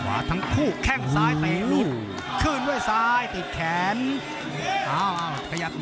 อ้าวขยับ